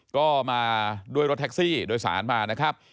ก็มาด้วยรถแท็กซี่โดยสารมานะครับ